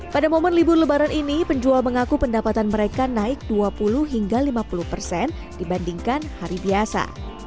pada momen libur lebaran ini penjual mengaku pendapatan mereka naik dua puluh hingga lima puluh persen dibandingkan hari biasa